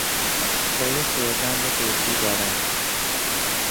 به او سوظن دزدی دارند.